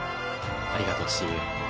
ありがとう親友。